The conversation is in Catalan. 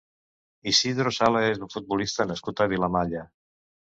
Isidro Sala és un futbolista nascut a Vilamalla.